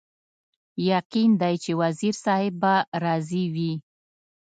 یقین دی چې وزیر صاحب به راضي وي.